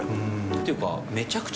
っていうか。